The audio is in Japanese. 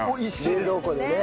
冷蔵庫でね。